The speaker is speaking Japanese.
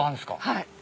はい。